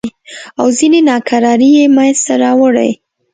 او ځینې ناکرارۍ یې منځته راوړې.